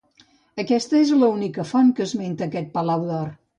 Aquesta és l'única font que esmenta aquest palau d'or.